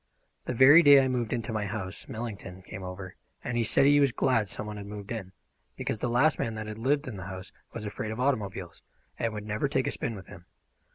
The very day I moved into my house Millington came over and said he was glad some one had moved in, because the last man that had lived in the house was afraid of automobiles, and would never take a spin with him.